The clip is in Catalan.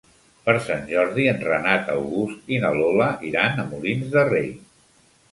Per Sant Jordi en Renat August i na Lola iran a Molins de Rei.